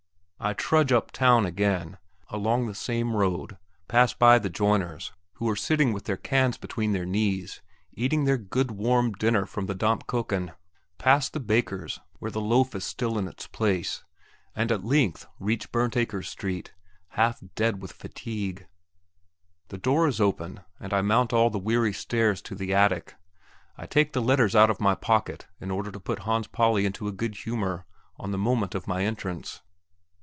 I trudge up town again, along the same road, pass by the joiners who are sitting with their cans between their knees, eating their good warm dinner from the Dampkökken pass the bakers, where the loaf is still in its place, and at length reach Bernt Akers Street, half dead with fatigue. The door is open, and I mount all the weary stairs to the attic. I take the letters out of my pocket in order to put Hans Pauli into a good humour on the moment of my entrance.